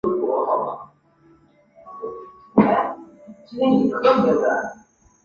演出阿满的恋情而获得金甘蔗影展最佳女主角。